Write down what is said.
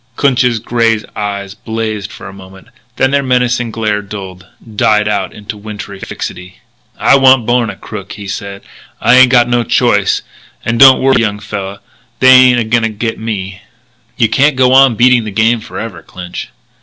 Clinch's grey eyes blazed for a moment, then their menacing glare dulled, died out into wintry fixity. "I wan't born a crook," he said. "I ain't got no choice. And don't worry, young fella; they ain't a going to get me." "You can't go on beating the game forever, Clinch."